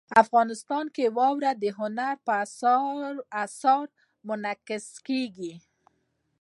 افغانستان کې واوره د هنر په اثار کې منعکس کېږي.